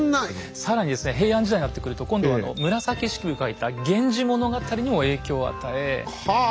更にですね平安時代になってくると今度は紫式部が書いた「源氏物語」にも影響を与え